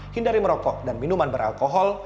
hindari merokok dan minuman beralkohol